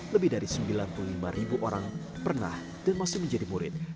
lebih dari sembilan puluh lima ribu orang pernah dan masih menjadi murid